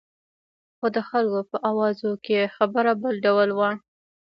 خو د خلکو په اوازو کې خبره بل ډول وه.